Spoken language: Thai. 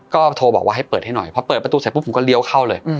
ก็โทรบอกว่าให้เปิดให้หน่อยพอเปิดประตูเสร็จปุ๊บผมก็เลี้ยวเข้าเลย